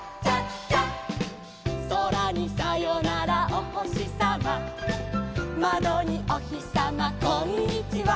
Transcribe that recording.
「そらにさよならおほしさま」「まどにおひさまこんにちは」